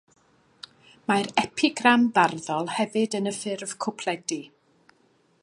Mae'r epigram barddol hefyd yn y ffurf cwpledi.